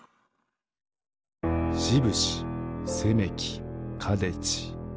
しぶしせめきかでち。